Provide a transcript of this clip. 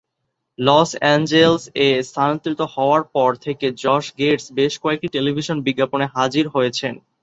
Loss Angeles এ স্থানান্তরিত হওয়ার পর থেকে জশ গেটস বেশ কয়েকটি টেলিভিশন বিজ্ঞাপনে হাজির হয়েছেন।